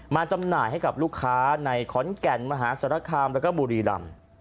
จำหน่ายให้กับลูกค้าในขอนแก่นมหาสารคามแล้วก็บุรีรำ